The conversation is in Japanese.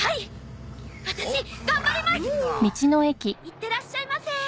いってらっしゃいませ。